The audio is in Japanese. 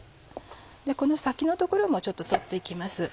この先の所もちょっと取って行きます。